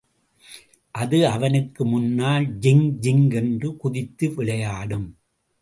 அது அவனுக்கு முன்னால் ஜிங் ஜிங் என்று குதித்து விளையாடும்.